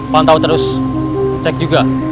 pantau terus cek juga